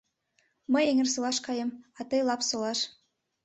Мый Эҥерсолаш каем, а тый — Лапсолаш.